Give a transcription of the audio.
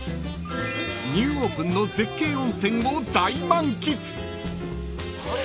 ［ニューオープンの絶景温泉を大満喫］